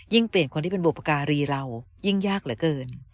เปลี่ยนคนที่เป็นบุปการีเรายิ่งยากเหลือเกิน